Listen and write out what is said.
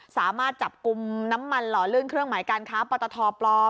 สามารถจับกลุ่มน้ำมันหล่อลื่นเครื่องหมายการค้าปตทปลอม